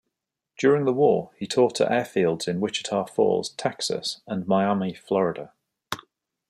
During the war he taught at airfields in Wichita Falls, Texas, and Miami, Florida.